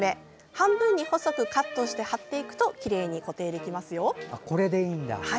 半分に細くカットして貼っていくときれいに固定できますよ。